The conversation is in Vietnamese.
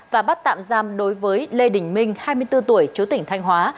và bắt tạm giam đối với lê đình minh hai mươi bốn tuổi chú tỉnh thanh hóa